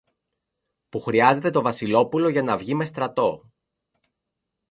που χρειάζεται το Βασιλόπουλο για να βγει με στρατό.